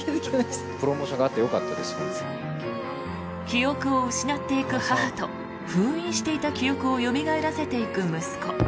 記憶を失っていく母と封印していた記憶をよみがえらせていく息子。